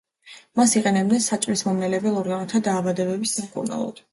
მას იყენებენ საჭმელის მომნელებელი ორგანოთა დაავადების სამკურნალოდ.